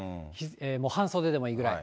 もう半袖でもいいぐらい。